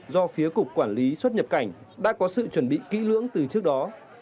do phía cục quản lý xuất nhập cảnh đã có sự chuẩn bị kỹ lưỡng từ trước đó